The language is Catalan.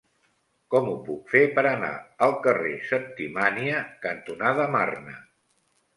Com ho puc fer per anar al carrer Septimània cantonada Marne?